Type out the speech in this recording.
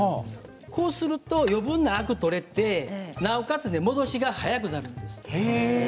こうすると余分なアクが取れてなおかつ戻しが早くなるんです。